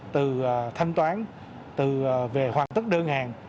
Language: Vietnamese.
từ thanh toán từ về hoàn tất đơn hàng